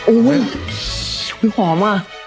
อุ้ยหอมอ่ะ